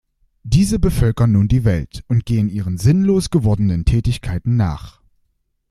Diese bevölkern nun die Welt und gehen ihren sinnlos gewordenen Tätigkeiten nach.